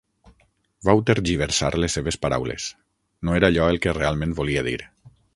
Vau tergiversar les seves paraules: no era allò el que realment volia dir.